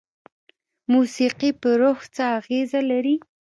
موسیقي په روح څه اغیزه لري؟